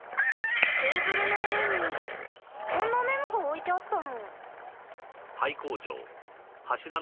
テーブルの上にこんなメモが置いてあったの。